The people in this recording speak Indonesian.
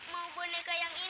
indri gak boleh banjir